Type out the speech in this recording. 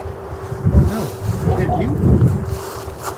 O no, can't you?